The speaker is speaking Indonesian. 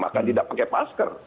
saya pakai masker